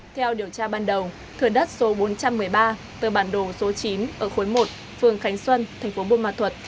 theo điều tra ban đầu thừa đất số bốn trăm một mươi ba tờ bản đồ số chín ở khối một phường khánh xuân thành phố buôn ma thuật